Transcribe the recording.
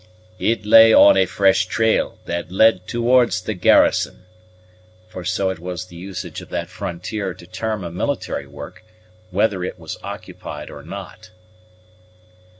"It lay on a fresh trail that led towards the garrison," for so it was the usage of that frontier to term a military work, whether it was occupied or not.